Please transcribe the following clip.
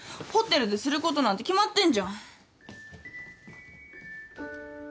ホテルですることなんて決まってんじゃん。